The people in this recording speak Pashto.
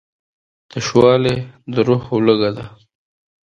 تشوالی د روح لوږه ده.